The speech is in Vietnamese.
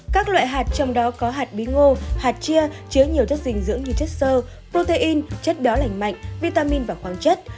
các loại hạt trong đó có hạt bí ngô hạt chia chứa nhiều chất dinh dưỡng như chất sơ protein chất béo lành mạnh vitamin và khoáng chất